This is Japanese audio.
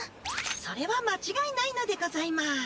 それは間違いないのでございます。